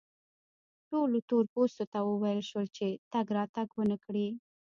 ټولو تور پوستو ته وویل شول چې تګ راتګ و نه کړي.